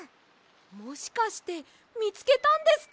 もしかしてみつけたんですか？